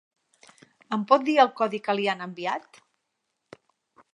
Em pot dir el codi que li han enviat?